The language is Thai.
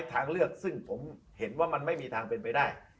ทางเลือกซึ่งผมเห็นว่ามันไม่มีทางเป็นไปได้